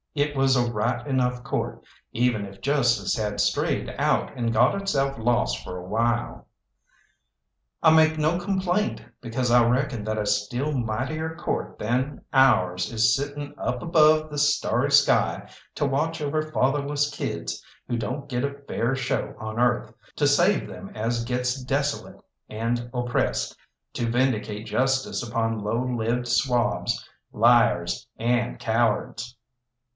It was a right enough Court, even if justice had strayed out and got itself lost for a while. I make no complaint, because I reckon that a still mightier Court than ours is sitting up above the starry sky to watch over fatherless kids who don't get a fair show on earth, to save them as gets desolate and oppressed, to vindicate justice upon low lived swabs, liars, and cowards.